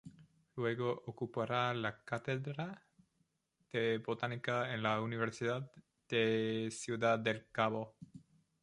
Luego ocupará la cátedra de Botánica en la Universidad de Ciudad del Cabo.